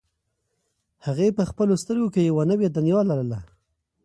هغې په خپلو سترګو کې یوه نوې دنیا لرله.